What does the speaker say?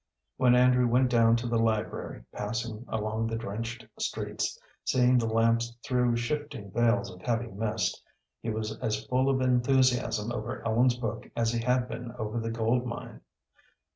When Andrew went down to the library, passing along the drenched streets, seeing the lamps through shifting veils of heavy mist, he was as full of enthusiasm over Ellen's book as he had been over the gold mine.